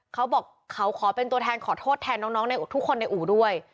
เขาบอกเขาขอเป็นตัวแทนขอโทษแทนน้องในทุกคนในอู่ด้วย